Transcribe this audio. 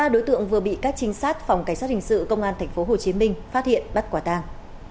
ba đối tượng vừa bị các trinh sát phòng cảnh sát hình sự công an tp hcm phát hiện bắt quả tàng